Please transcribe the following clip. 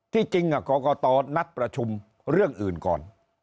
ที่จริงกรกตนัดประชุมเรื่องอื่นก่อน